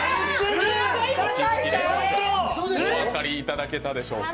お分かりいただけたでしょうか。